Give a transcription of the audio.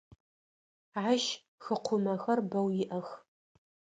Ащ хыкъумэхэр бэу иӏэх.